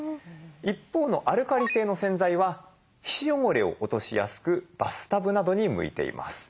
一方のアルカリ性の洗剤は皮脂汚れを落としやすくバスタブなどに向いています。